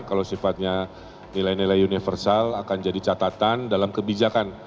kalau sifatnya nilai nilai universal akan jadi catatan dalam kebijakan